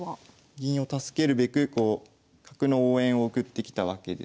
銀を助けるべくこう角の応援を送ってきたわけですが。